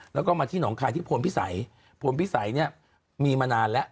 แล้วก็มาที่หนองคายที่พลพิสัยพลพิสัยเนี่ยมีมานานแล้ว